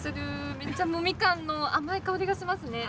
めっちゃもうみかんの甘い香りがしますね。